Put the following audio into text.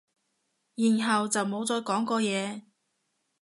然後就冇再講過嘢